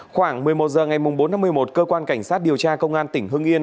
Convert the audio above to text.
khoảng một mươi một h ngày bốn tháng một mươi một cơ quan cảnh sát điều tra công an tỉnh hưng yên